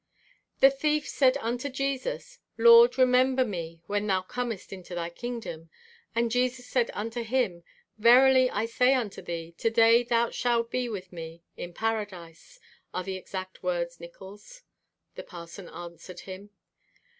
"'The thief said unto Jesus, "Lord, remember me when thou comest into thy kingdom." And Jesus said unto him, "Verily I say unto thee, to day shalt thou be with me in Paradise,"' are the exact words, Nickols," the parson answered him.